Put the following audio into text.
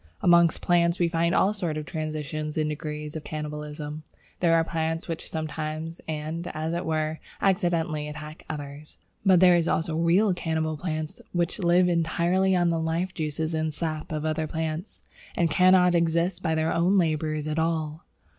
Among plants we find all sorts of transitions and degrees of cannibalism. There are plants which sometimes, and, as it were, accidentally, attack others. But there are also real cannibal plants which live entirely on the life juices and sap of other plants, and cannot exist by their own labours at all.